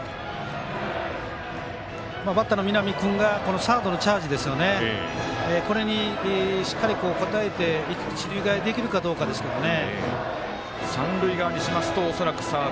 バッターの南君がサードのチャージ、これにしっかり応えて一塁側にできるかどうかですね。